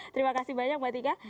terima kasih banyak mbak tika